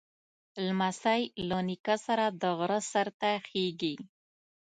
لمسی له نیکه سره د غره سر ته خېږي.